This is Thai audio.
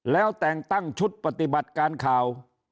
แล้วแต่งตั้งชุดปฏิบัติการข่าว